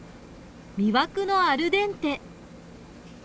「魅惑のアルデンテ！」